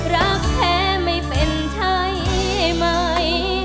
รักแท้ไม่เป็นใช่ให้ใหม่